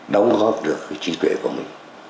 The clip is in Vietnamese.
đóng góp được cái trí tuệ của mình